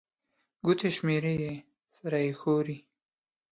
ګوتي شمېري، سر يې ښوري